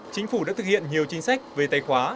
chính phủ đã thực hiện nhiều chính sách về tay khóa